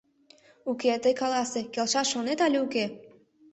— Уке, тый каласе: келшаш шонет але уке?